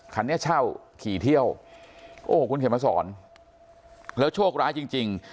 คันนี้เช่าขี่เที่ยวโอ้โหคุณเขียนมาสอนแล้วโชคร้ายจริงจริง